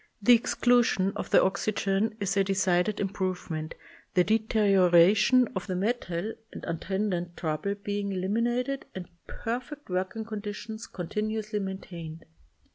The exclusion of the oxygen is a decided improvement, the de terioration of the metal and attendant trouble being eliminated and perfect work ing conditions continuously maintained.